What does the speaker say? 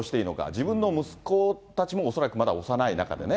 自分の息子たちも恐らく、まだ幼い中でね。